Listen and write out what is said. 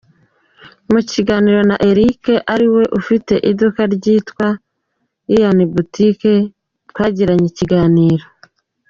Mukiganiro na Eric ariwe ufite iri duka rya Ian Boutique yagiranye na inyarwanda.